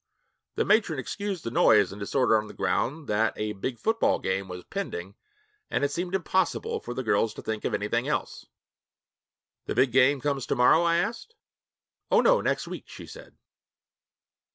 The matron excused the noise and disorder on the ground that a big football game was pending and it seemed impossible for the girls to think of anything else. 'The big game comes to morrow?' I asked. 'Oh, no, next week,' she said.